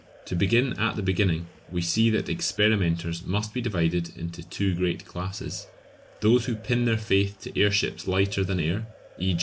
To begin at the beginning, we see that experimenters must be divided into two great classes: those who pin their faith to airships lighter than air, _e.